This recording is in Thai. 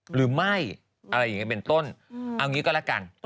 หรือไม่อะไรอย่างนี้เป็นต้นเอางี้ก็แล้วกัน